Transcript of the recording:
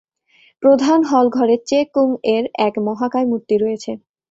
প্রধান হল ঘরে Che Kung এর এক মহাকায় মূর্তি রয়েছে।